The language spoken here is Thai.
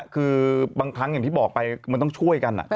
คือบางครั้งอย่างที่บอกไปมันต้องช่วยกัน